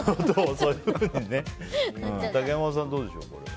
竹山さん、どうでしょう。